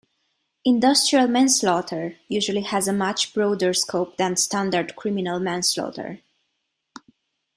Industrial manslaughter usually has a much broader scope than standard criminal manslaughter.